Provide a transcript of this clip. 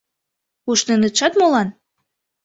Ушненытшат молан?